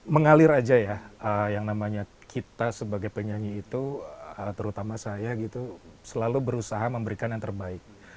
mengalir aja ya yang namanya kita sebagai penyanyi itu terutama saya gitu selalu berusaha memberikan yang terbaik